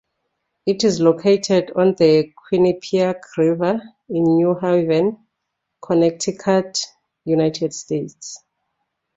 It is located on the Quinnipiac River in New Haven, Connecticut, United States.